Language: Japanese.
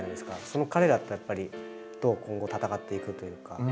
その彼らとやっぱりどう今後戦っていくというか。